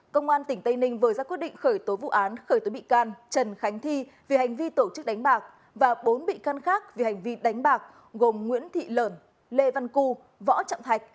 công an tỉnh tây ninh vừa ra quyết định khởi tố vụ án khởi tố bị can trần khánh thi vì hành vi tổ chức đánh bạc và bốn bị can khác vì hành vi đánh bạc gồm nguyễn thị lợn lê văn cù võ trọng thái các